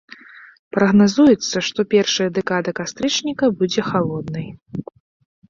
Прагназуецца, што першая дэкада кастрычніка будзе халоднай.